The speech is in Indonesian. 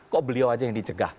kok beliau aja yang dicegah